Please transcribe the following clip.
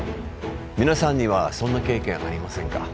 皆さんにはそんな経験ありませんか？